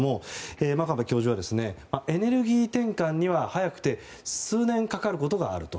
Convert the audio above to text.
真壁教授はエネルギー転換には早くて数年かかることがあると。